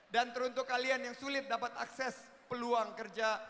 dan untuk kalian yang sulit dapat akses peluang kerja